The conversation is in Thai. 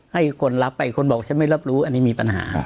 ให้คนรับไปคนบอกฉันไม่รับรู้อันนี้มีปัญหา